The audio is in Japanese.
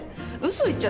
嘘？